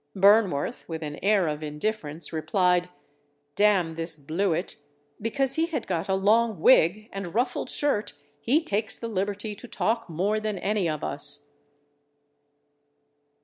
Burnworth, with an air of indifference replied, _D n this Blewit, because he had got a long wig and ruffled shirt he takes the liberty to talk more than any of us.